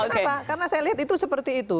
kenapa karena saya lihat itu seperti itu